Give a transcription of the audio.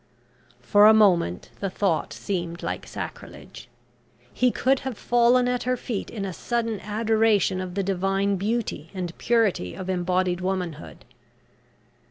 For a moment the thought seemed like sacrilege. He could have fallen at her feet in a sudden adoration of the divine beauty and purity of embodied womanhood.